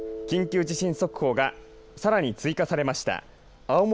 緊急地震速報がさらに追加されました。